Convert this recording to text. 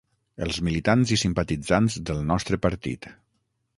Els militants i simpatitzants del nostre partit.